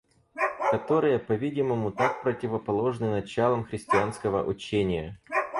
Которые по-видимому так противоположны началам христианского учения.